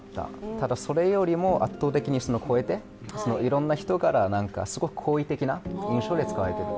ただそれよりも圧倒的に超えていろんな人からすごく好意的な印象で使われている。